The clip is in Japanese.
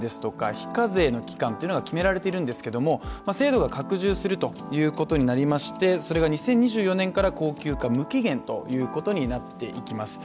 非課税の期間というのが決められているんですけれども、制度が拡充するということになりましてそれが２０２４年から恒久化・無期限ということになっていきます。